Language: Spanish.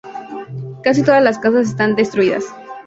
Casi todas las casas están destruidas.